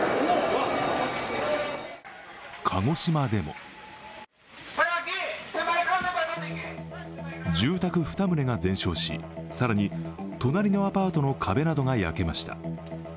鹿児島でも住宅２棟が全焼し、更に隣のアパートの壁などが焼けました。